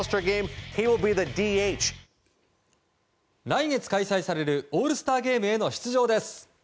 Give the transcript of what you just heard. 来月開催されるオールスターゲームへの出場です。